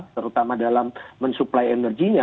terutama dalam mensupply energinya